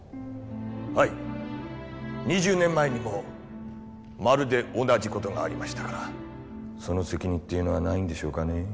はい２０年前にもまるで同じことがありましたからその責任っていうのはないんでしょうかね